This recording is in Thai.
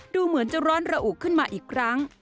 ดูเหมือนจะร้อนระอุขึ้นมาอีกครั้ง